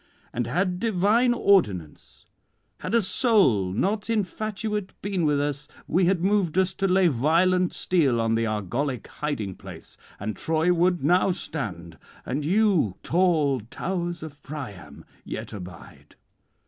And had divine ordinance, had a soul not infatuate been with us, he had moved us to lay violent steel on the Argolic hiding place; [56 90]and Troy would now stand, and you, tall towers of Priam, yet abide.